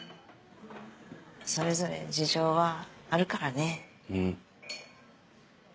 それぞれ事情はあるからね。